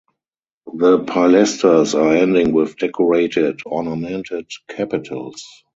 The pilasters are ending with decorated (ornamented) capitals.